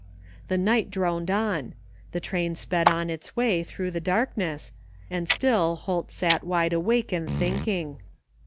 The night droned on; the train sped on its way through the darkness, and still Holt sat wide awake and thinking.